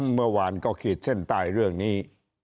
เมื่อวานก็ขีดเส้นใต้เรื่องนี้